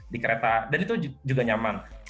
di kereta dan itu juga nyaman